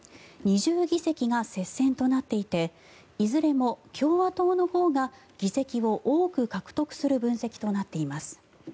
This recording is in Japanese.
２０議席が接戦となっていていずれも共和党のほうが議席を多く獲得する分析となっています。